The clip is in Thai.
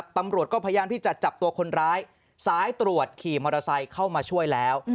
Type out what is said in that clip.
ตำรวจก็พยายามที่จะจับตัวคนร้ายสายตรวจขี่มอเตอร์ไซค์เข้ามาช่วยแล้ว